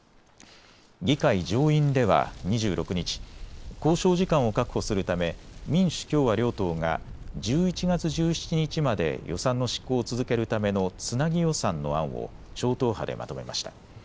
議会上院では２６日、交渉時間を確保するため民主、共和両党が１１月１７日まで予算の執行を続けるためのつなぎ予算の案を超党派でまとめました。